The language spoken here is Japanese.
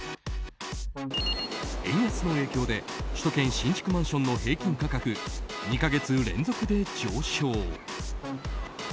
円安の影響で首都圏新築マンションの平均価格２か月連続で上昇。